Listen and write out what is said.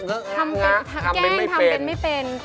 ทำเป็นแกล้งทำเป็นไม่เป็น